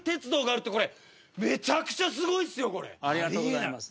ありがとうございます。